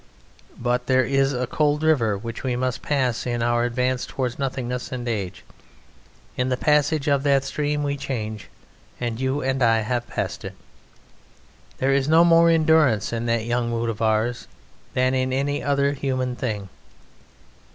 But there is a cold river which we must pass in our advance towards nothingness and age. In the passage of that stream we change: and you and I have passed it. There is no more endurance in that young mood of ours than in any other human thing.